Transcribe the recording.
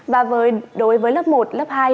và đối với lớp một lớp hai